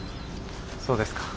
そうですか。